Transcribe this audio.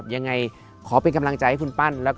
ยังไงขอเป็นกำลังใจให้คุณปั้น